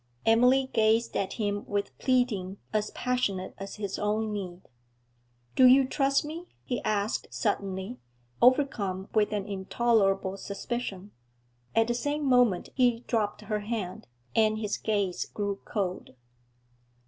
Emily gazed at him with pleading as passionate as his own need. 'Do you distrust me?' he asked suddenly, overcome with an intolerable suspicion. At the same moment he dropped her hand, and his gaze grew cold.